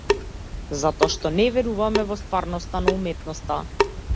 Затоа што не веруваме во стварноста на уметноста.